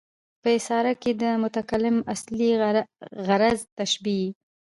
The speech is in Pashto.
په استعاره کښي د متکلم اصلي غرض تشبېه يي.